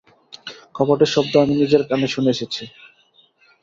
কপাটের শব্দ আমি নিজের কানে শুনে এসেছি।